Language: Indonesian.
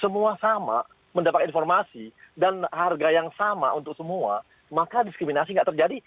semua sama mendapat informasi dan harga yang sama untuk semua maka diskriminasi nggak terjadi